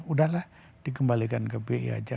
udah lah dikembalikan ke bi aja